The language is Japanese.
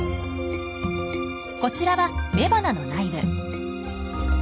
こちらは雌花の内部。